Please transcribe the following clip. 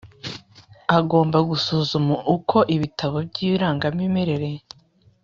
Agomba gusuzuma uko ibitabo by irangamimerere